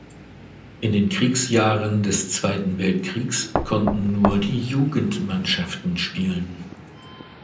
In den Kriegsjahren des Zweiten Weltkriegs konnten nur die Jugendmannschaften spielen.